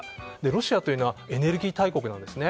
ロシアというのはエネルギー大国なんですね。